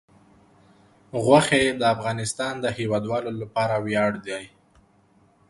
غوښې د افغانستان د هیوادوالو لپاره ویاړ دی.